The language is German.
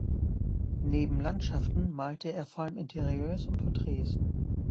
Neben Landschaften malte er vor allem Interieurs und Porträts.